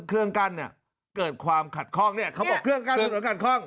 เครื่องกั้นเนี่ยเกิดความขัดข้องเนี่ยเขาบอกเครื่องกั้นถนนขัดข้อง